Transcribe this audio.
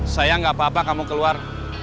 saya nggak apa apa kamu keluar